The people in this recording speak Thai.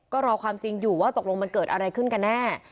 ก็รอความจริงอยู่ว่าตกลงมันเกิดอะไรขึ้นกันแน่